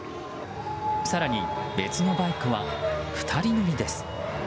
更に、別のバイクは２人乗りです。